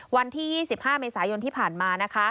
วันที่๒๕เมษายนที่ผ่านมานะคะ